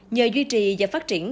nhờ duy trì và phát triển